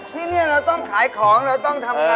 ที่นี่เราต้องขายของเราต้องทำงาน